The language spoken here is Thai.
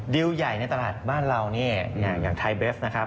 ดิวใหญ่ในตลาดบ้านเรานี่อย่างไทยเบฟนะครับ